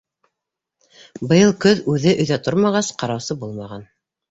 Быйыл көҙ үҙе өйҙә тормағас, ҡараусы булмаған.